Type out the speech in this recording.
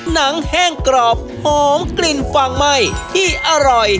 หนังแห้งกรอบหอมกลิ่นฟางไหม้ที่อร่อย